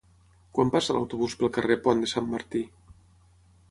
Quan passa l'autobús pel carrer Pont de Sant Martí?